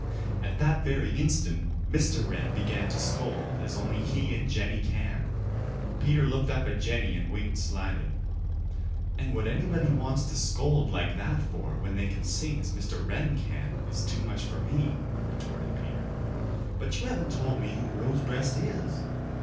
At that very instant Mr. Wren began to scold as only he and Jenny can. Peter looked up at Jenny and winked slyly. "And what anybody wants to scold like that for when they can sing as Mr. Wren can, is too much for me," retorted Peter. "But you haven't told me who Rosebreast is."